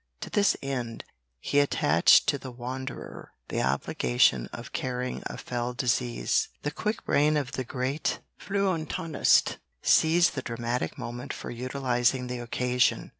To this end he attached to the Wanderer the obligation of carrying a fell disease. The quick brain of the great feuilletonist seized the dramatic moment for utilising the occasion.